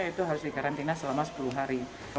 itu harus dikarantina selama sepuluh hari